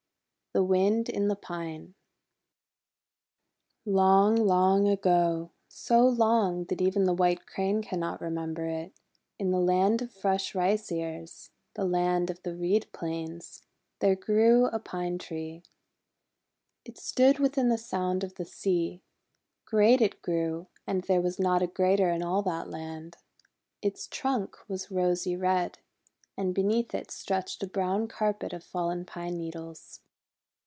THE WIND IN THE PINE Japanese Folktale LONG, long ago, so long that even the White Crane cannot remember it, in the Land of Fresh Rice Ears, the Land of the Reed Plains, there grew a Pine Tree. It stood within the sound of the sea. Great it grew, and there was not a greater in all that land. Its trunk was rosy red, and beneath it stretched a brown carpet of fallen pine needles.